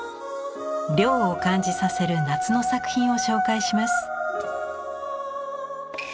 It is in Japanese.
涼を感じさせる夏の作品を紹介します。